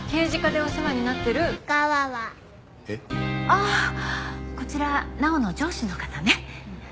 ああこちら直央の上司の方ね。